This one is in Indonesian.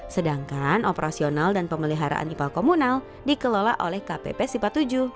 sedangkan operasional dan pemeliharaan ipal komunal dikelola oleh kpp sipatuju